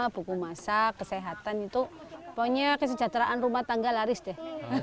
buku masak kesehatan itu pokoknya kesejahteraan rumah tangga laris deh